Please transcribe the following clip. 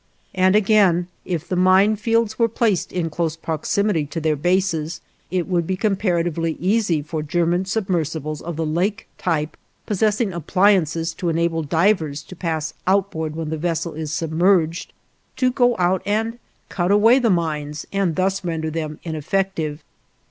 And again, if the mine fields were placed in close proximity to their bases, it would be comparatively easy for German submersibles of the Lake type, possessing appliances to enable divers to pass outboard when the vessel is submerged, to go out and cut away the mines and thus render them ineffective.